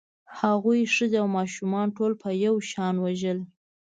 هغوی ښځې او ماشومان ټول په یو شان وژل